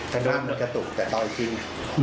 ถ้าโดนแต่กระตุ๊กต่อจริง